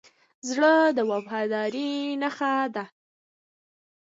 زړه د وفادارۍ نښه ده.